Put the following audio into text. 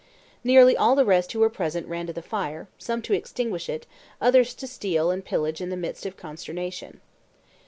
Nearly all the rest who were present ran to the fire, some to extinguish it, others to steal and pillage in the midst of the consternation.